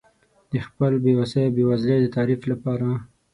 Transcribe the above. د خپل بې وسۍ او بېوزلۍ د تعریف لپاره.